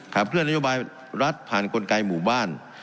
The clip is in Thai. การผ่านเวลานโยบายรัฐผ่านกลไกลห้ายหมู่บ้าน